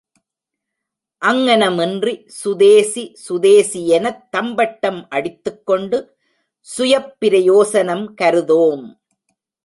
அங்ஙனமின்றி சுதேசி சுதேசியெனத் தம்பட்டம் அடித்துக் கொண்டு சுயப்பிரயோசனம் கருதோம்.